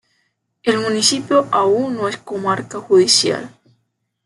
El municipio aún no es comarca judicial.